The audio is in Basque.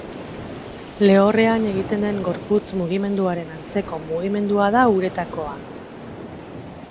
Lehorrean egiten den gorputz-mugimenduaren antzeko mugimendua da uretakoa.